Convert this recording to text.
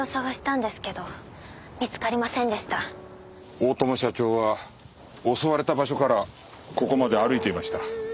大友社長は襲われた場所からここまで歩いていました。